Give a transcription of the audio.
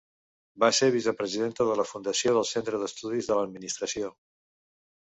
Va ser vicepresidenta de la Fundació del Centre d'Estudis de l'Administració.